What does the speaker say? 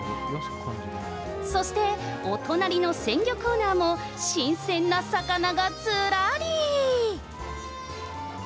そしてお隣の鮮魚コーナーも、新鮮な魚がずらり。